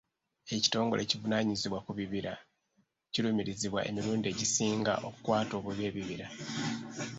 Ekitongole ekivunaanyizibwa ku bibira kirumirizibwa emirundi egisinga okukwata obubi ebibira.